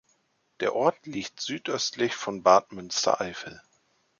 Der Ort liegt südöstlich von Bad Münstereifel.